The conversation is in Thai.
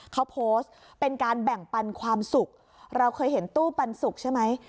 เขาโพสต์เป็นการแบ่งปันความสุขเราเคยเห็นตู้ปันสุกใช่ไหม